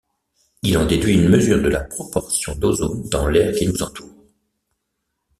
Il en déduit une mesure de la proportion d'ozone dans l'air qui nous entoure.